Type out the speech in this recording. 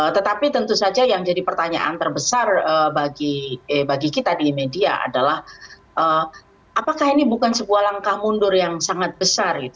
tetapi tentu saja yang jadi pertanyaan terbesar bagi kita di media adalah apakah ini bukan sebuah langkah mundur yang sangat besar